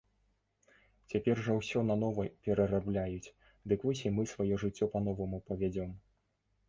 Цяпер жа ўсё нанова перарабляюць, дык вось і мы сваё жыццё па-новаму павядзём.